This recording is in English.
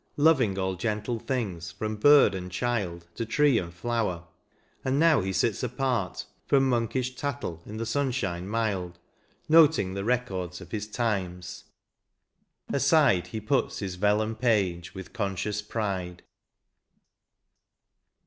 Loving all gentle things, from bird and child To tree and flower ; and now he sits apart From monkish tattle in the sunshine mild. Noting the records of his times : aside He puts his vellum page with conscious pride.